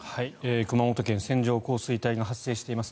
熊本県、線状降水帯が発生しています。